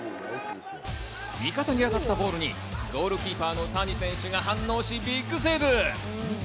味方に当たったボールにゴールキーパーの谷選手が反応し、ビッグセーブ。